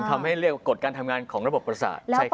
ทำให้เรียกว่ากฎการทำงานของระบบประสาท